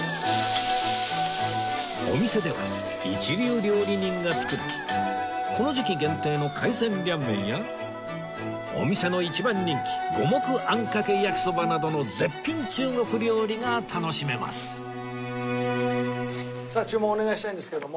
お店では一流料理人が作るこの時期限定の海鮮涼麺やお店の一番人気五目あんかけ焼きそばなどの絶品中国料理が楽しめますさあ注文お願いしたいんですけども。